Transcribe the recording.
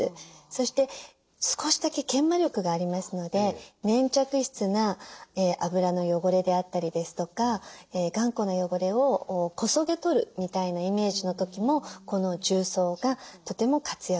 そして少しだけ研磨力がありますので粘着質な油の汚れであったりですとか頑固な汚れをこそげ取るみたいなイメージの時もこの重曹がとても活躍をしてくれます。